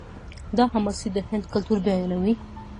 دا حماسې د هند کلتور بیانوي.